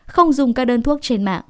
không dùng các đơn thuốc